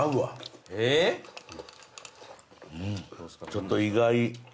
ちょっと意外。